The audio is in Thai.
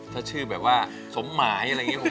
ถ้าชื่อแบบว่าสมหมายอะไรอย่างนี้